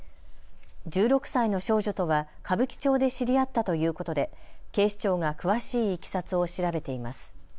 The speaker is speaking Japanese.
１６歳の少女とは歌舞伎町で知り合ったということで警視庁が詳しいいきさつを調べています。